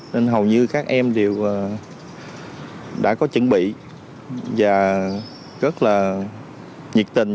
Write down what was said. nên hầu như các em đều đã có chuẩn bị và rất là nhiệt tình